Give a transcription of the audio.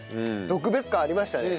特別感ありましたね。